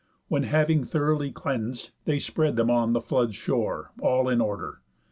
When having thoroughly cleans'd, they spread them on The flood's shore, all in order.